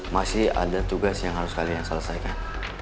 masih ada tugas yang harus kalian selesaikan